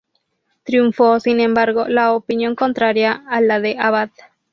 Triunfó, sin embargo, la opinión contraria a la de Abad.